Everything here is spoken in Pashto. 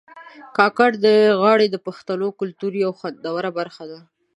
کاکړۍ غاړي د پښتنو کلتور یو خوندوره برخه ده